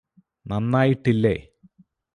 നന്നായിട്ടില്ലേ